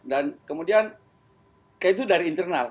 dan kemudian kayak itu dari internal